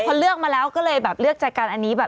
พอเลือกมาแล้วก็เลยเลือกแจกันอันนี้